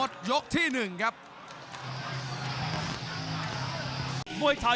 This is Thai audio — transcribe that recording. กรรมการเตือนทั้งคู่ครับ๖๖กิโลกรัม